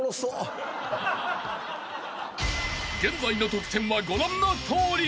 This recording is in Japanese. ［現在の得点はご覧のとおり］